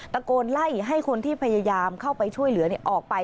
ตะโกนไล่ให้คนที่พยายามเข้าไปช่วยเหลือออกไป